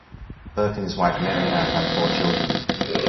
Burke and his wife Mary Ann have four children.